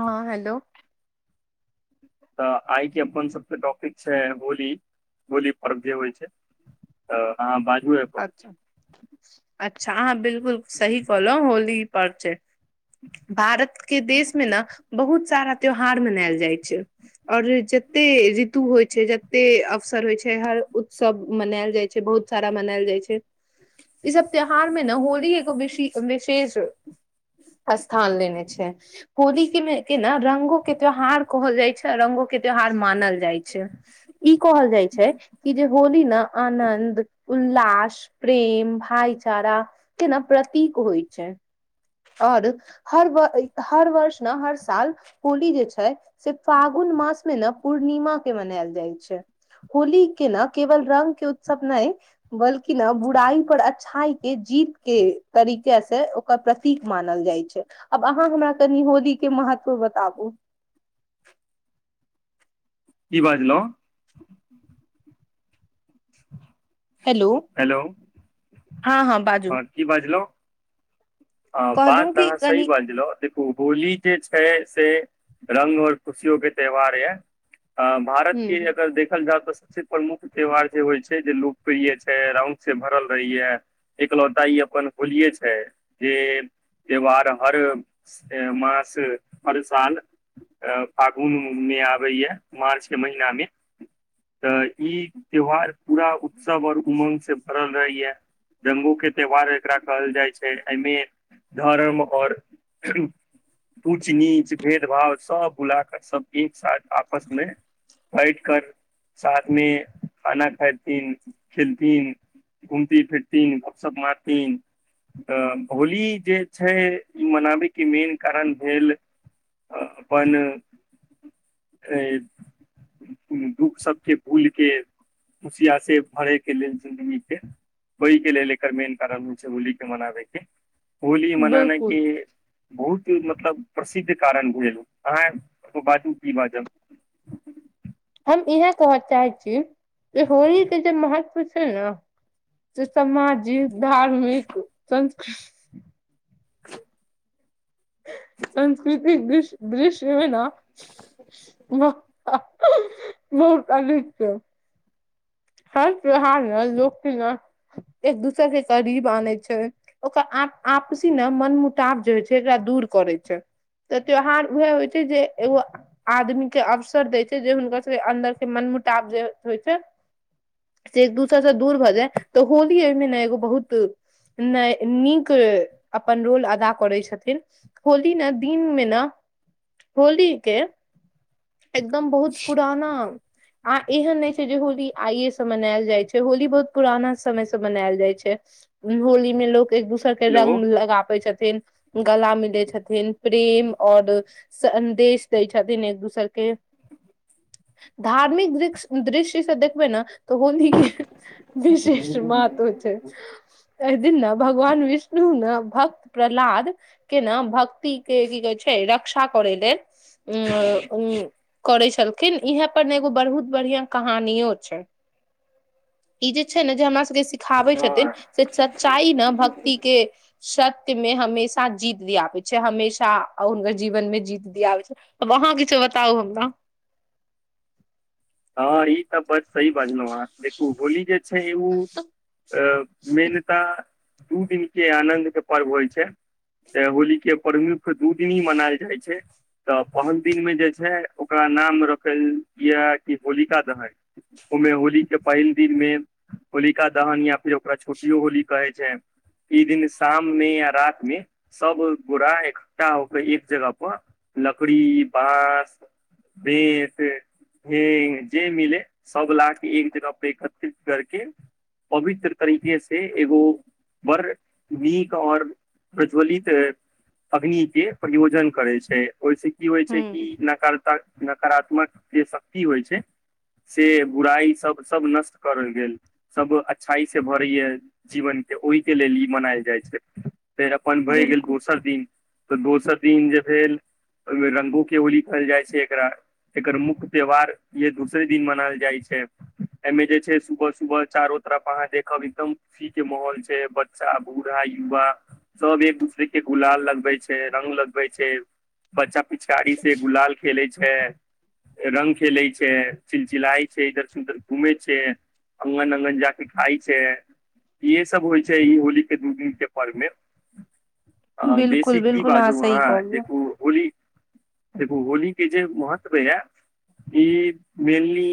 हँ हेलो तऽ आइके अपन सबस टॉपिक छै होली होली पर्व जे होइ छै ओ ह ब अच्छा अच्छा हह बिलकुल सही कहलो होली पर् छै भारत के देशमे ने बहुत सारा त्यौहार मनायल जाइ छै आओर जते ऋतु होइ छै जते अवसर होइ छै हर उत्सव मनायल जाइ छै बहुत सारा मनाल जाइ छै ई सब त्यौहार मे ने होली एगो विशेष स्थान लेने छै होली के मे के ने रंगो के त्यौहार कहल जाइ छै रङंगो के त्यौहार मानल जाइ छै ई कहल जाइ छै कि जे होली ने आनन्द उल्लास प्रेम भाइचारा केना प्रतीक होइ छै आओर हर हर वर्ष ने हर साल होली जे छै से फागुन जून मास मे ने पूर्णिमा के मनायल जाइ छै होली के न केवल रङंग के उत्सव नहि बल्कि ने बुराइ पर अच्छाई के जीत के तरीके से ओकर प्रतीक मानल अहाँ हम कनि होलीे महत्व बताब [unintelligible] की बाजलहु हेलो हँ बाजू हँ की बाजलहु हँ कहलहु बातऽ कि अहाँ सही कनि बाजहु होली जे छै से रंग और खुशियो के त्यौहार ये अ भारत हूँ के अगर देखल जाउ तऽ सबसे प्रमुख त्योहार जे होइ छै जे लोकप्रिय छै रंग से भरल रहेय य एकलौता यै अपन होलिये छै जे त्यौहार हर मास हर साल अ फागुन मे आबैए यह मार्चके महिना मे तऽ ई त्यौहार पूरा उत्सव और उम्ंग से भरल रहे ये रंगो के त्यौहार एकरा कहल जाय छै एहिमे धर्म आओर उच नीच भेद भाव सब भुला क सब एक साथ आपसमे बैठ कर साथमे खाना खैतीन खेलतीन घूमती फिरती गप सप मारतीन त होली जे छै ई मनाबयके मेन कारण भेल अपन ऐ दुःख सबके भूल के खुशिया से भरै के लेल जिन्दगी के ओहि के लेल लेकर मेन कारण हो छै होली के मनाबै होली मनाने के बिलकुल बहुत मतलब प्रसिद्ध कारण भेल अहाँ बाजू की बाजब हम इएह कहऽ चाहे छी जे होली के जे महत्व छै न से सामाजिक धार्मिक संस्कृति संस्कृतिक दिस दृश्यमे ना बहुत अधिक छै हर त्योहार मे लोक के न एक दूसर के करीब आनै छै ओकर आपसी ने मन मुटाव जे होइ छै एकरा दूर करै छै तऽ त्यौहार उएह होइ छै जे एगो आदमी के अवसर देय छै जे हुनका सबके अन्दर के मन मुटाब जे होइ छै से एक दूसर स दूर भऽ जाए तऽ होली एहिमे न एगो बहुत न नीक अपन रोल अदा करैत छथिन होली न दिनमे न होली के एकदम बहुत पुराना आ एहन नइ छै जे होली आइे से मनायल जाइ छै होली बहुत पुराना समय से मनायल जाइ छै होली मे लोक एक दोसर के हेलो रंग लगाबै छथिन गला मिलै छथिन प्रेम आओर सन्देश दै छथिन एक दोसरके [inaudible] धार्मिक दस्क दृश्य से देखबै न त होली के विशेष महत्तव छै एहिदिन न भगवान विष्णु न भक्त प्रह्लाद के ने भक्ति के की कहे छै रक्षा करे लेल उ करै छलखिन इएहे पर ने एगो बहुत बढ़िआ कहानियो छै ई जे छै न जे हमरा जे सिखाबै छथिन हँ से सच्चाइ न भक्ति के सत्य मे हमेशा जीत दियाबै छै हमेशा और हुनकर जीवन मे जीत दियाबै छै अहाँ किछो बताउ हमरा हँ ई त बड सही बाजलू आहा देखू होली जे छै उ अ मेनता दू दिन के आनन्द के पर्व होइ छै तऽ होली के प्रमुख दू दिन हि मनायल जाइ छै तऽ पहिल दिनमे जे छै ओकरा नाम रखल यै कि होलिका दहन ओ मे होली के पहिल दिनमे होलिका दहन या फेर ओकरा छोटियो होली कहै छै ई दिन शाम मे या रति मे सब गोरा इक्ठा होकर एक जगह पर लकड़ी बाँस बेत ह जे मिले सब ला के एक जगहप एकत्रित करके पवित्र तरीके से एगो बड़ नीक और प्रज्वलित अग्नि के प्रयोजन करै छै ओहिसँ की होइ छै कि हूँ न नकारात्मक जे शक्ति होइ छै से बुराइ सब सब नष्ट करल गेल सब अच्छाई से भरैय जीवन ओहिके लेल ई मनायल जाइ छै फेर अपन भए गेल बिल्कुल दोसर दिन तऽ दोसर जे भेल ओहि रंगो के होली कहल जाइ छै एकरा एकर मुख्य त्यौहार ये दूसरे दिन मनायल जाइ छै एमे जे छै सुबह सुबह चारो तरफ अहाँ देखब एकदम खुशी के माहौल छै बच्चा बूढ़ा युवा सब एक दूसरे के गुलाल लगबे छै रंग लगबे छै बच्चा पिचकारी से गुलाल खेले छै रंग खेले छै चिलचिलइ छै इधर से उधर घूमे छै अंगन अंगन जाक खाय छै इहे सब होइ छै ई होलीे के दू दिनके पर्वमे आ बिल्कुल बेसी की बिल्कुल अहाँ बाजू सही हँ कहलियै जेकि होली देखू होली के जे महत्व होइय ई मेनली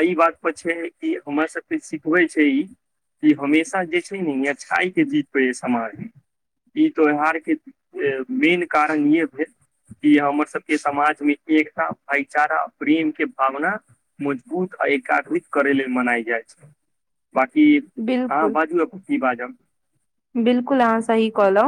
एहि बात पर छै कि हमरा सबके सिखबै छै ई ई हमेशा जे छै न अच्छाइ के जीत यै समाज मे ई त्योहारके मेन कारण यहे कि हमर सबके समाजमे एकता भाईचारा प्रेम के भावना मजबूत आ एकाग्रित करे लेल मनाय जाइ छै बाकी अहाँ बिलकुल बाजू अपन की बाजब बिलकुल अहाँ सही कहलौ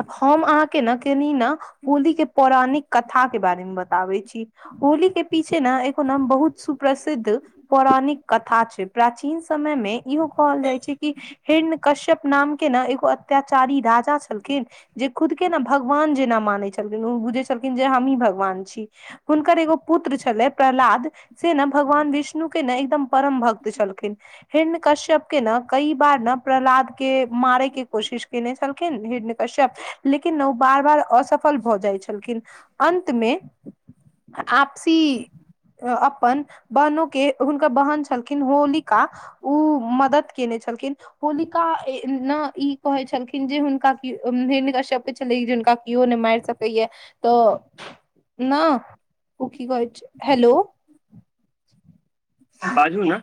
आब हम अहाँके ने कनि ने होली के पौराणिक कथा के बारे मे बताबैत जिस होली के पीछे ने एगो न बहुत सुप्रसिद्ध पौराणिक कथा छै प्राचीन समय मे इहो कहल जाइ छै कि हिरण कश्यप नाम के ने एगो अत्याचारी राजा छलखिन जे खुद के ने भगवान जेना मानै छलखिन ओ बुझै छलखिन जे हमी भगवान छी हुनकर एगो पुत्र पुत्र छलै प्रह्लाद से ने भगवान विष्णु के ने एकदम परम भक्त छलखिन हिरण कश्यप के ने कई बार ने प्रह्लाद के मारै के कोशिश केने छलखिन हिरण कश्यप लेकिन न ओ बार बार असफल भऽ जाइ छलखिन अन्त मे आपसी अपन बहनो के हुनकर बहन छलखिन होलिका ह उ [unintelligible] मदद केने छलखिन होलिका एएना ई कहै छलखिन जे हुनका कियो हिरण कश्यप प चल जिनका केयो नहि माइर सकैैया त न ओ की कहै छै हैलो बाजू न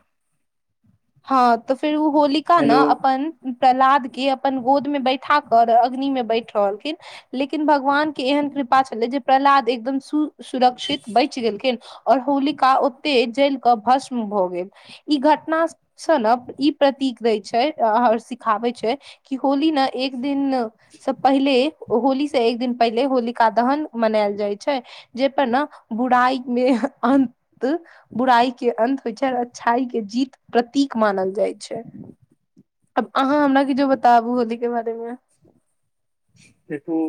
हँ तऽ फेर ओ होलिका न हेलो अपन प्रह्लाद के अपन गोद में बैठा कर अग्नि में बैठ रहलखिन लेकिन भगवान के एहन कृपा छलै जे प्रह्लाद एकदम सु सुरक्षित बैच गैलखिन और होलिका ओते जल कऽ भस्म भऽ गेल ई घटना सब ने ई प्रतीक दै छै ओर सिखाबै छै कि होली न एक दिन स पहिले होली से एक दिन पहिले होलिका दहन मनायल जाइ छै जेहि पर ने बुराइ मे अन्त बुराइ के अंत होइ छै और अच्छाई के जीत प्रतीक मानल जाइ छै अब अहाँ हमरा किछो बताबू होलीेके बारेमे देखू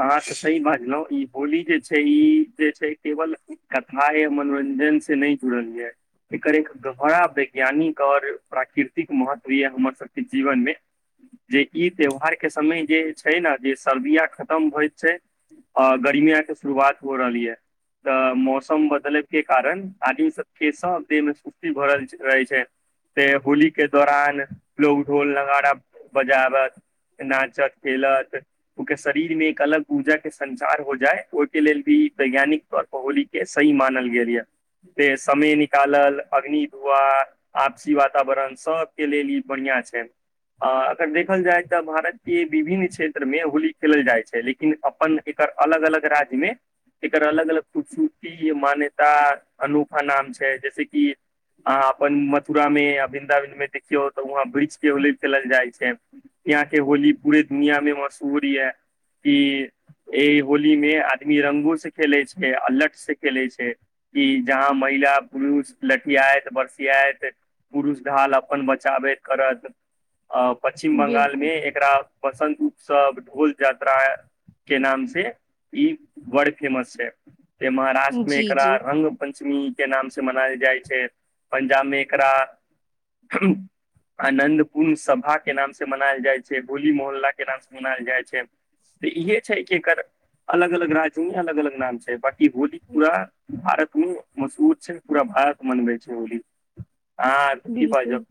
अहाँ तऽ सही बाजलौई होली जे छै ई जे छै केवल कथा य मनोरञ्जन से नै जुड़ल यै एकर एक गहरा वैज्ञानिक और प्राकृतिक महत्व यऽ हमर सबके जीवनमे जे ई त्यौहारके समय जे छै ने जे सर्दिया खतम होइत छै आ गर्मिया के शुरुआत हो रहल यै तऽ मौसम बदलै के कारण आदमी सब के सब देहमे सुस्ती भ रहल रहै छै सेे होली के दौरान लोग ढोल नगारा बजाबत नाचत खेलते ओकर शरीर मे एक अलग ऊर्जा के संचार हो जाय ओहिके लेल भी वैज्ञानिक तौर होली के सही मानल गेल यऽ जे समय निकालल अग्नि धुआ आपसी वातावरण सबके लेल ई बढ़ियाँ छै आ अगर देखल जाय तऽ भारतके विभिन्न क्षेत्र मे होली खेलल जाइ छै लेकिन अपन एकर अलग अलग राज्य मे एकर अलग अलग खूबसूरती मान्यता अनूखा नाम छै जैस कि अहाँ अपन मथुरामे या वृंन्दावनमे देखियौ तऽ वहाँ वृक्ष के होल खेलल जाइ छै यहाँ के होली पूरे दुनिया में मशहूर यै की ई होली मे आदमी रंगो से खेलै छै अलट से खेले छै कि जहाँ महि ला पुरुष लठियाइत बरसियाइत पुरुष ढाल अपन बचाबैत करत अ पश्चछिम बंगाल मे बिल्कुल एकरा वसंत उत्सव ढोल जात्रा के नाम से ई वड फेमस छै से महाराष्ट्रमे जी एकरा जी रंग पञ्चमी के नाम से मनायल जाइ छै पंजाब मे एकरा आनंद पूर्ण सभा के नाम से मनायल जाइ छै बोल इ मोहल्ला के नामसे मनायल जाइ छै तऽ इहे छै कि एकर अलग अलग राज्य में अलग अलग नाम छै बाकि होली पूरा भारत मे मशहूत छै पूरा आक मनबै छै होली अहाँ की बाजब बिलकुल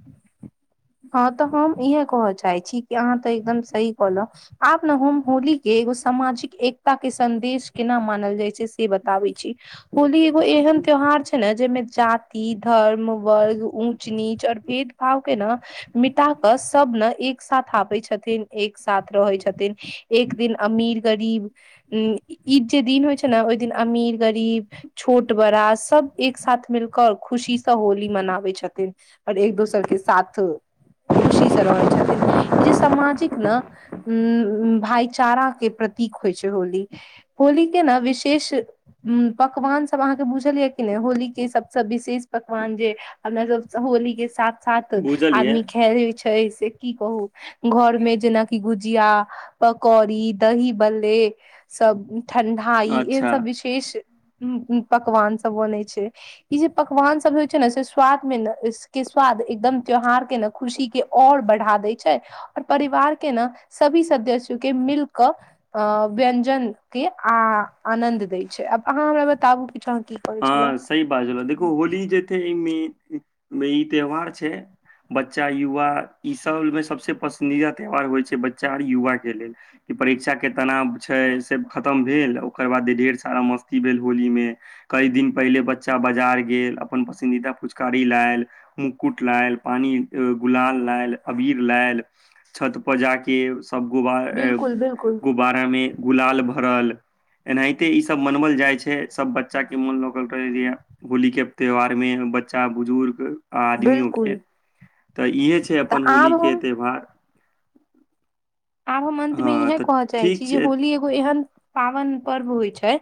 हँ तऽ हमँ इह कहा चाहय छी आहा त एकदम सही कहलउ सामाजिक एकता के सदेश केना मानल जाय छै से बताबे छी होली एगो एहन त्यौहार छै ने जेमे जाति धर्म वर्ग ऊच नीच ओर भेद भाव के ने मिटा क सब ने एक साथ आबै छथिन एक साथ रह छथि एक दिन अमीर गरीब उ ई जे दिन होइ छै ने ओहि दिन अमीर अमीर गरीब छोट बड़ा सब एक साथ मिलक खुशी से होली मनाबै छथिन आओर एक दोसर के साथो खुशीसँ रहैत छथिन ई जे सामाजिक ने उ भाइचारा के प्रतीक होइ छै होली होली के ने विशेष पकवान सब अहाँके बुझल ये किी ने होली के सबस विशेष पकवान जे अपना सब होली के साथ साथ बुझलियै आदमी खेलै छै से की कहू घर मे जेनाकि गुजिया पकौड़ी दही बल्ले सब ठणढाई ए अच्छा सब विशेष उ पकवान सब बनै छै ई जे पकवान सब होइ छै ने से स्वाद मे ने के स्वाद एकदम त्यौहार के ने खुशी के और बढ़ा द छै ओर परिवार के ने सभी सदस्य के मिलके अ व्यंजन के आनन्द लै छै आब अहाँ हमरा बताबू किछु अहाँ की करै छलहुँ हँ सही बाजलउ देखो होली जे छैे ई त्यहार छै बच्चा युवा ई सबमे सबस पसन्दीदा त्योहार होइ छै बच्चा आर युवा के लेल ई परीक्षाक के तनाव छै से खतम भेल ओकर बाद ढ़ेर सारा मस्ती भेल होली मे कई दिन पहिले बच्चा बाजार गेल अपन पसन्दीदा फुचकारी लायल मुक्कुट लायल पानी गुलाल लाय अबीर लाल छत पर जाके सब गुबारा बिल्कुल बिल्कुल गुब्बारा मे गुलाल भड़ल एनाहिते ई सब मनावल जाइ छै सब बच्चा के मन लगल रहै होली के त्योहार मे बच्चा बुजुर्ग आदमिय बिल्कुल ओके तऽ इहे छै तऽ अपन आब होली के हम त्यौहार आब हम अंत में हँ इहे तऽ कहऽ चाहे ठीक छी जे छै होली एगो एहन पावन पर्व होइ छै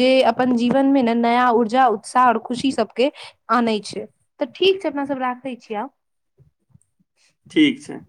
जे अपन जीवन मे न नया ऊर्जा उत्साह ओर खुशी सबके आनै छै तऽ ठीक छै अपना सब राखे छीय आब ठीक छै